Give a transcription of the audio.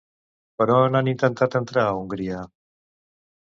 Per on han intentat entrar a Hongria?